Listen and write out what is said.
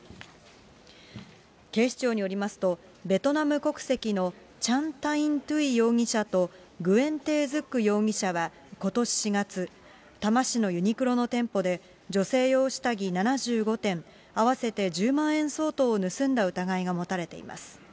警視庁によりますと、ベトナム国籍のチャン・タイン・トゥイ容疑者とグエン・テー・ズック容疑者はことし４月、多摩市のユニクロの店舗で、女性用下着７５点、合わせて１０万円相当を盗んだ疑いが持たれています。